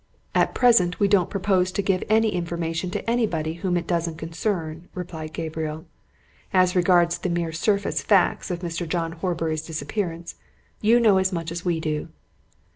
"At present we don't propose to give any information to anybody whom it doesn't concern," replied Gabriel. "As regards the mere surface facts of Mr. John Horbury's disappearance, you know as much as we do."